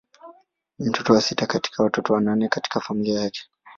Ni mtoto wa sita kati ya watoto nane katika familia yake.